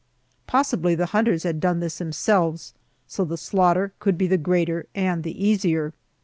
Possibly the hunters had done this themselves, so the slaughter could be the greater and the easier.